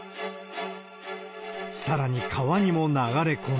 さらに川にも流れ込み。